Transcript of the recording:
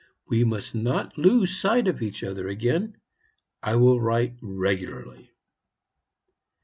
We must not lose sight of each other again I will write regularly."